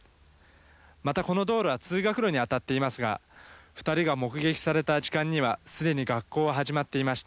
またこの道路は通学路に当たっていますが２人が目撃された時間にはすでに学校は始まっていました。